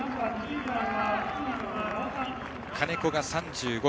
金子が３５位。